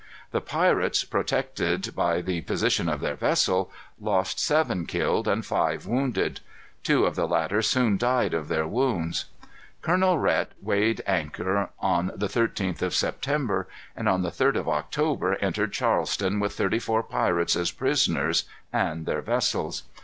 The pirates, protected by the position of their vessel, lost seven killed, and five wounded. Two of the latter soon died of their wounds. Colonel Rhet weighed anchor on the 13th of September, and on the 3d of October entered Charleston with thirty four pirates as prisoners, and their vessels.